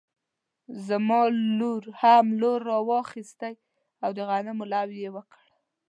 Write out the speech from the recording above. زما لور هم لور راواخيستی او د غنمو لو يې وکړی